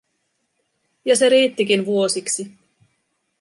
Ja se riittikin vuosiksi.